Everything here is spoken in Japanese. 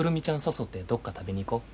誘ってどっか食べに行こ。